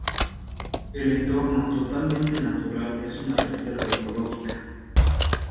El entorno, totalmente natural, es una reserva ecológica.